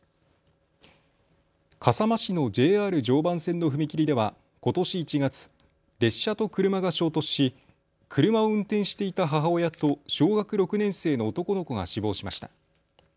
笠間市のＪＲ常磐線の踏切ではことし１月、列車と車が衝突し車を運転していた母親と小学６年生の男の子が死亡しました。